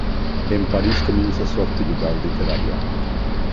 En París comienza su actividad literaria.